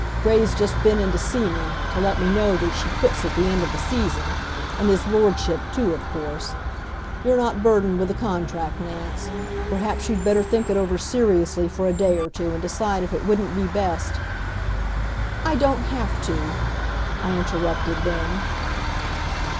Gray's just been in to see me, to let me know that she quits at the end of the season. And his Lordship, too, of course. You're not burdened with a contract, Nance. Perhaps you'd better think it over seriously for a day or two and decide if it wouldn't be best " "I don't have to," I interrupted then.